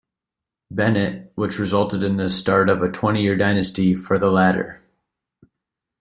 Bennett, which resulted in the start of a twenty-year dynasty for the latter.